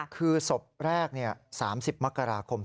คือศพแรก๓๐มกราคม๒๕